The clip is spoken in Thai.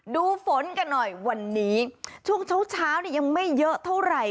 ดูฝนกันหน่อยวันนี้ช่วงเช้าเนี่ยยังไม่เยอะเท่าไหร่